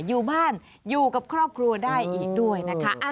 อยู่บ้านอยู่กับครอบครัวได้อีกด้วยนะคะ